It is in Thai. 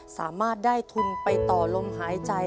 สามารถได้ทุนไปต่อลมหายใจ